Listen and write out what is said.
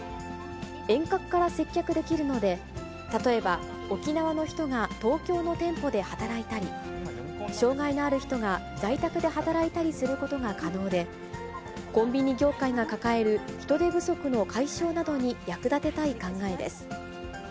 遠隔から接客できるので、例えば沖縄の人が東京の店舗で働いたり、障害のある人が在宅で働いたりすることが可能で、コンビニ業界が抱える人手不足の解消などに役立てたい考えです。